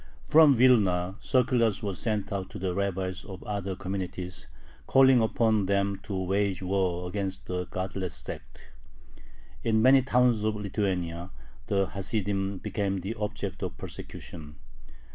From Vilna circulars were sent out to the rabbis of other communities, calling upon them to wage war against the "godless sect." In many towns of Lithuania the Hasidim became the object of persecution.